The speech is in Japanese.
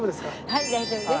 はい大丈夫です。